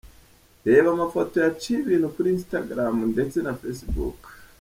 Reba amafoto yaciye ibintu kuri Instagram ndetse na Facebook.